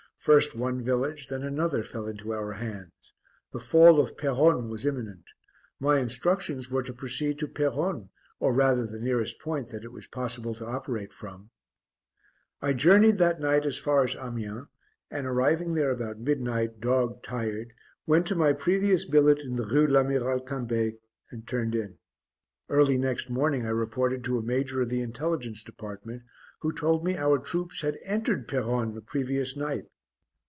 First one village, then another fell into our hands. The fall of Peronne was imminent. My instructions were to proceed to Peronne, or rather the nearest point that it was possible to operate from. I journeyed that night as far as Amiens, and arriving there about midnight, dog tired, went to my previous billet in the Rue l'Amiral Cambet, and turned in. Early next morning I reported to a major of the Intelligence Department, who told me our troops had entered Peronne the previous night.